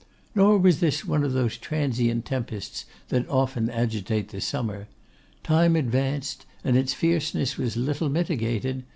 Nor was this one of those transient tempests that often agitate the summer. Time advanced, and its fierceness was little mitigated.